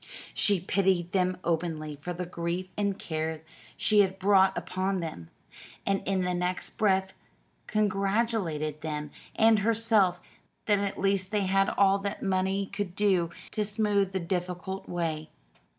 She pitied them openly for the grief and care she had brought upon them, and in the next breath congratulated them and herself that at least they had all that money could do to smooth the difficult way.